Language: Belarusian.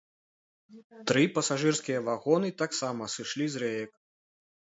Тры пасажырскія вагоны, таксама сышлі з рэек.